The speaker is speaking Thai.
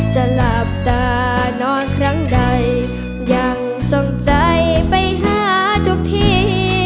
จะหลับตานอนครั้งใดยังทรงใจไปหาทุกที